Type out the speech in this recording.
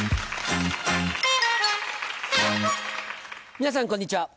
皆さんこんにちは。